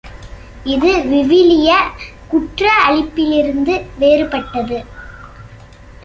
இது விவிலிய குற்ற அளிப்பிலிருந்து வேறுபட்டது.